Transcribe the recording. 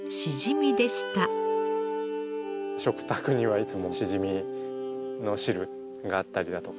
食卓にはいつもしじみの汁があったりだとか。